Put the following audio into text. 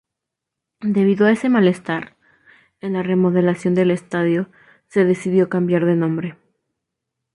Debido a ese malestar, en la remodelación del estadio se decidió cambiar de nombre.